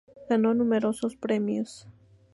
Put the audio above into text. Ganó numerosos premios.